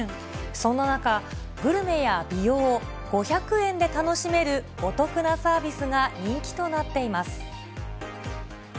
そんな中、グルメや美容を５００円で楽しめるお得なサービスが人気となっています。